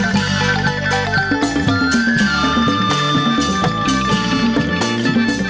กลับมาที่สุดท้าย